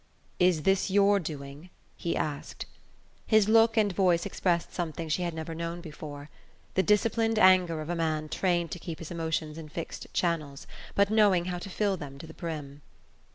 "Is this your doing?" he asked. His look and voice expressed something she had never known before: the disciplined anger of a man trained to keep his emotions in fixed channels, but knowing how to fill them to the brim.